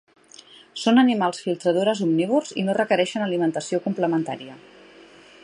Són animals filtradores omnívors i no requereixen alimentació complementària.